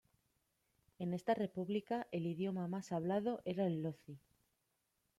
En esta república el idioma más hablado era el lozi.